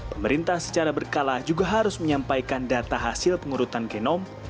pemerintah secara berkala juga harus menyampaikan data hasil pengurutan genom